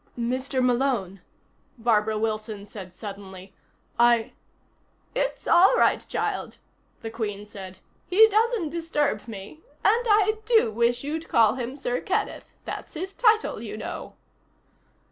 "Mr. Malone," Barbara Wilson said suddenly. "I " "It's all right, child," the Queen said. "He doesn't disturb me. And I do wish you'd call him Sir Kenneth. That's his title, you know."